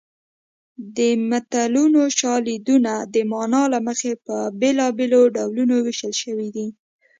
د متلونو شالیدونه د مانا له مخې په بېلابېلو ډولونو ویشل شوي دي